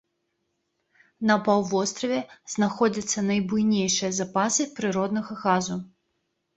На паўвостраве знаходзяцца найбуйнейшыя запасы прыроднага газу.